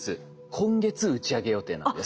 今月打ち上げ予定なんです。